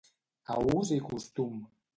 A ús i costum.